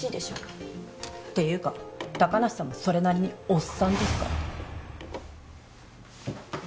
っていうか高梨さんもそれなりにおっさんですから。